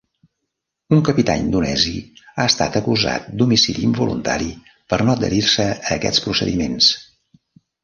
Un capità indonesi ha estat acusat d'homicidi involuntari per no adherir-se a aquests procediments.